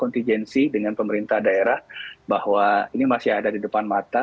kontingensi dengan pemerintah daerah bahwa ini masih ada di depan mata